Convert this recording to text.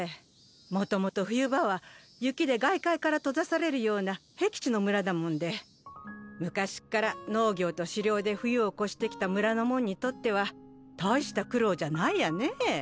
もともと冬場は雪で外界から閉ざされるような僻地の村だもんで昔っから農業と狩猟で冬を越してきた村の者にとっては大した苦労じゃないやねぇ。